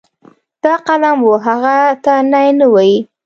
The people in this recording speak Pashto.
دا قلم و هغه ته نی نه وي.